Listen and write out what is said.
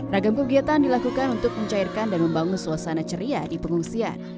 ragam kegiatan dilakukan untuk mencairkan dan membangun suasana ceria di pengungsian